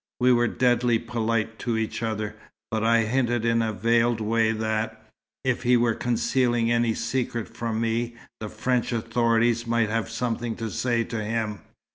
We were deadly polite to each other, but I hinted in a veiled way that, if he were concealing any secret from me, the French authorities might have something to say to him.